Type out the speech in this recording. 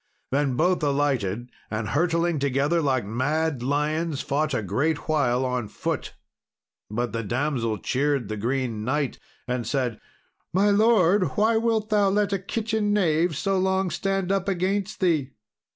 Then both alighted, and, hurtling together like mad lions, fought a great while on foot. But the damsel cheered the Green Knight, and said, "My lord, why wilt thou let a kitchen knave so long stand up against thee?"